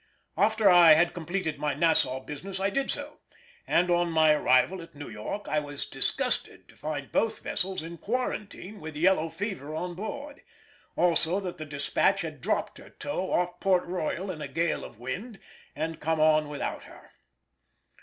After I had completed my Nassau business I did so, and on my arrival at New York I was disgusted to find both vessels in quarantine with yellow fever on board; also that the Despatch had dropped her tow off Port Royal in a gale of wind and come on without her.